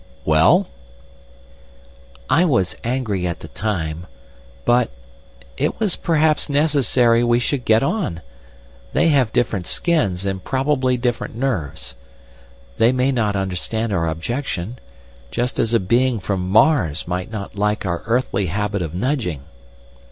"Well?" "I was angry at the time. But—it was perhaps necessary we should get on. They have different skins, and probably different nerves. They may not understand our objection—just as a being from Mars might not like our earthly habit of nudging."